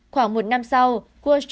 khoảng một năm sau trump đã trả cho luật sư